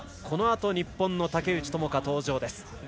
このあと日本の竹内智香が登場です。